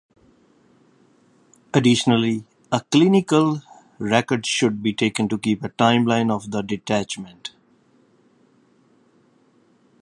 Additionally, a clinical record should be taken to keep a timeline of the detachment.